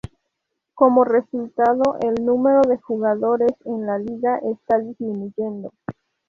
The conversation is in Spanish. Como resultado, el número de jugadores en la liga está "disminuyendo".